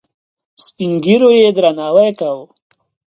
سپین ږیرو یې درناوی کاوه.